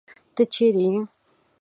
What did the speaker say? تۀ چېرې ئې ؟